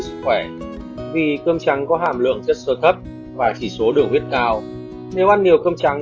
sức khỏe vì cơm trắng có hàm lượng rất sơ thấp và chỉ số đường huyết cao nếu ăn nhiều cơm trắng